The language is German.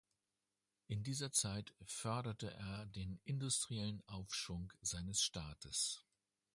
In dieser Zeit förderte er den industriellen Aufschwung seines Staates.